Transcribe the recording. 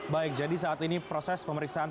baik jadi saat ini proses pemeriksaan